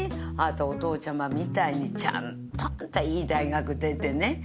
あなたお父ちゃまみたいにちゃんとあんたいい大学出てね。